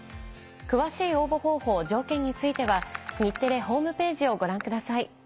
詳しい応募方法条件については日テレホームページをご覧ください。